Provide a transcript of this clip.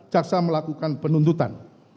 jaksa melakukan penuntutan